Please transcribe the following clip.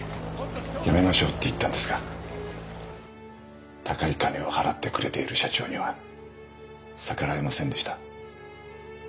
やめましょうって言ったんですが高い金を払ってくれている社長には逆らえませんでした。